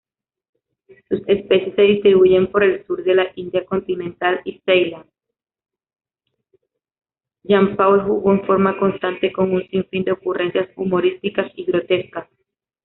Jean Paul jugó en forma constante con un sinfín de ocurrencias humorísticas y grotescas.